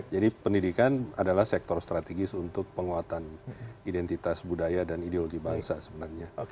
jadi pendidikan adalah sektor strategis untuk penguatan identitas budaya dan ideologi bangsa sebenarnya